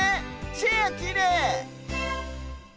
チェアきれい！